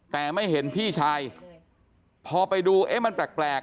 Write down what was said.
แต่ไม่เห็นพี่ชายพอไปดูเอ๊ะมันแปลก